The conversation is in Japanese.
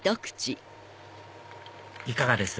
いかがです？